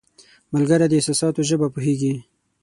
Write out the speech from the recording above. ملګری د احساساتو ژبه پوهیږي